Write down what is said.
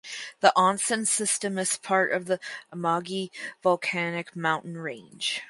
The onsen system is part of the Amagi volcanic mountain range.